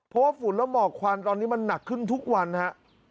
เพราะว่าฝุ่นและหมอกควันตอนนี้มันหนักขึ้นทุกวันฮะ